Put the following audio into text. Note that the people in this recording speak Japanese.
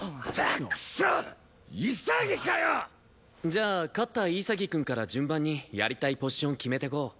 じゃあ勝った潔くんから順番にやりたいポジション決めてこう。